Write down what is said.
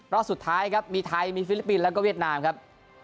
รอบสุดท้ายครับมีไทยมีฟิลิปปินส์แล้วก็เวียดนามครับ